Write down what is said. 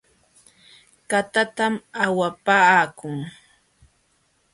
Katatam awapaakun .